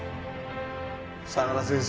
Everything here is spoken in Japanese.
相良先生。